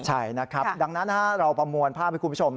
ใช่นะครับดังนั้นเราประมวลภาพให้คุณผู้ชม